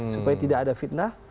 supaya tidak ada fitnah